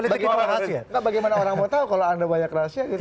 bagaimana orang mau tahu kalau anda banyak rahasia gitu